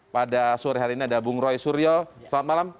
pada sore hari ini ada bung roy suryo selamat malam